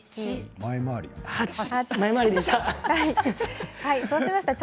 前回りでした。